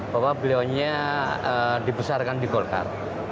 bahwa beliau nya dibesarkan di golkar